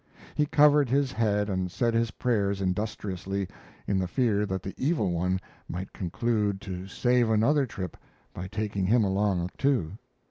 He covered his head and said his prayers industriously, in the fear that the evil one might conclude to save another trip by taking him along, too.